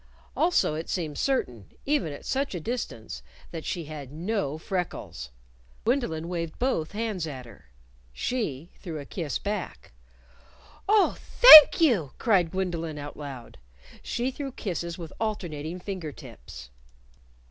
Also it seemed certain even at such a distance that she had no freckles. Gwendolyn waved both hands at her. She threw a kiss back. "Oh, thank you!" cried Gwendolyn, out loud. She threw kisses with alternating finger tips.